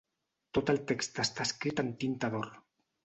Tot el text està escrit en tinta d'or.